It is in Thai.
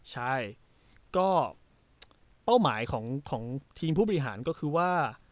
ใช่ก็เป้าหมายของทีมผู้บริหารก็คือว่า